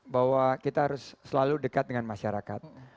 bahwa kita harus selalu dekat dengan masyarakat